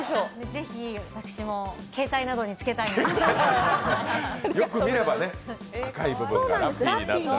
ぜひ、私も携帯などにつけたいなと。